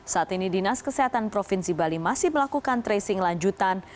saat ini dinas kesehatan provinsi bali masih melakukan tracing lanjutan